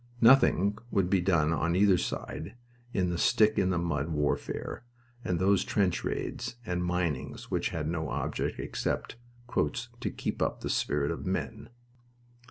Nothing would be done on either side but stick in the mud warfare and those trench raids and minings which had no object except "to keep up the spirit of the men."